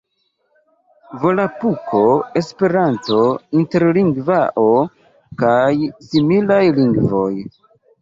Volapuko, Esperanto, Interlingvao kaj similaj lingvoj.